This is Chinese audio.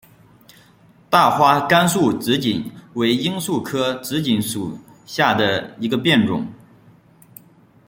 大花甘肃紫堇为罂粟科紫堇属下的一个变种。